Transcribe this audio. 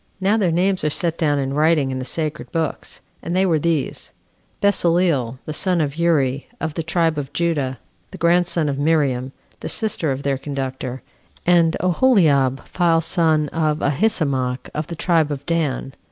Now their names are set down in writing in the sacred books; and they were these: Besaleel, the son of Uri, of the tribe of Judah, the grandson of Miriam, the sister of their conductor and Aholiab, the son of Ahisamach, of the tribe of Dan.